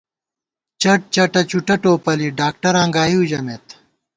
چَٹ چَٹہ چُٹہ ٹوپَلی ڈاکٹراں گائیؤ ژَمېت